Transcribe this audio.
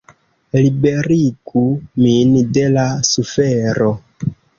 Liberigu min de la sufero!